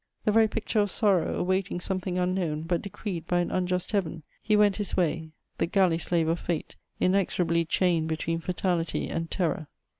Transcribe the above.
The very picture of sorrow awaiting something unknown, but decreed by an unjust Heaven, he went his way, the galley slave of fate, inexorably chained between fatality and terror.